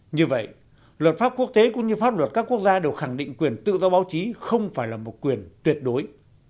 như vậy luật pháp quốc tế cũng như pháp luật các quốc gia đều khẳng định quyền tự do báo chí không phải là một quyền tuyệt đối